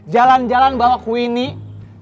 jalan jalan bawa queenie